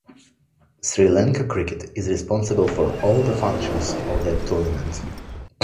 Sri Lanka Cricket is responsible for all the functions of the tournament.